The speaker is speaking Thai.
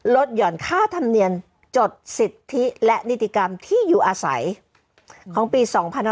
หย่อนค่าธรรมเนียมจดสิทธิและนิติกรรมที่อยู่อาศัยของปี๒๕๖๒